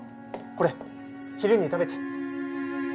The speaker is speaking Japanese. これ昼に食べて。